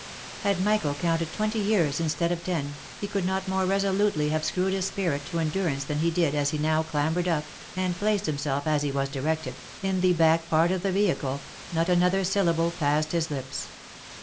Had Michael counted twenty years instead of ten, he could not OF MICHAEL ARMSTRONG. 177 more resolutely have screwed his spirit to endurance than he did as he now clambered up, and placed himself, as lie was directed, in the back part of the vehicle, not another syllable passed his lips.